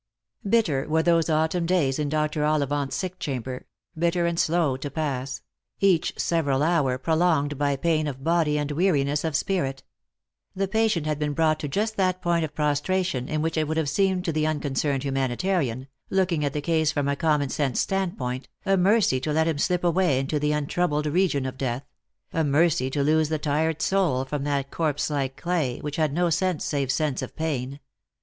Bitter were those autumn days in Dr. Ollivant's sick chamber ; bitter and slow to pass ; each several hour prolonged by pain of body and weariness of spirit. The patient had been brought to just that point of prostration in which it would have seemed to the unconcerned humanitarian, looking at the case from a common sense standpoint, a mercy to let him slip away into the untroubled region of death ; a mercy to loose the tired soul from that corpse like clay, which had no sense save sense of pain.